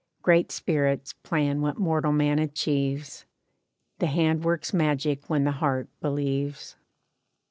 Great Spirits plan what mortal man achieves, The hand works magic when the heart believes.